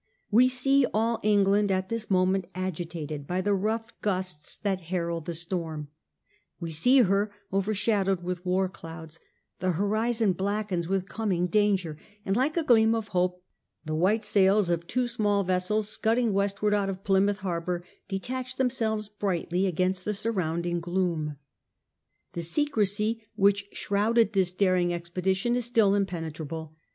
We see all England at this moment agitated by tho rough gusts that herald the storm ; we see her overshadowed with war clouds ; the horizon blackens with coming danger, and like a gleam of hope the white sails of two small vessels scudding westward out of Plymouth harbour detach themselves brightly against the surrounding gloom. The secrecy which shrouded this daring expedition is still impenetrable.